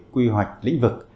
quy hoạch lĩnh vực